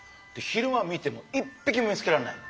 昼間見ても一匹も見つけらんない。